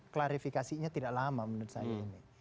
klarifikasinya tidak lama menurut saya ini